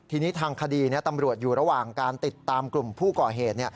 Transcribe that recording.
ทีนี้ทางคดีตำรวจอยู่ระหว่างการติดตามกลุ่มผู้ก่อเหตุ